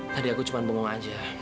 tadi aku cuma bingung aja